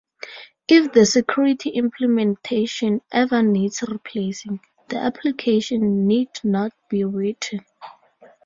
If the security implementation ever needs replacing, the application need not be rewritten.